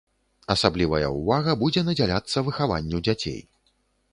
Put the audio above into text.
Асаблівая ўвага будзе надзяляцца выхаванню дзяцей.